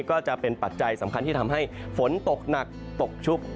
ก็จะเป็นปัจจัยสำคัญที่ทำให้ฝนตกหนักตกชุก